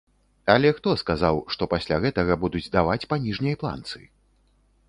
Але хто сказаў, што пасля гэтага будуць даваць па ніжняй планцы?